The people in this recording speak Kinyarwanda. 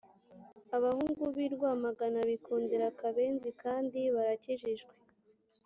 Abahungu bi rwamagana bikundira akabenzi kandi barakijijwe